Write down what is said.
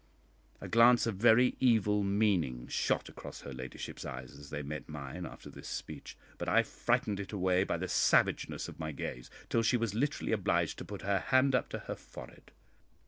A glance of very evil meaning shot across her ladyship's eyes as they met mine after this speech, but I frightened it away by the savageness of my gaze, till she was literally obliged to put her hand up to her forehead.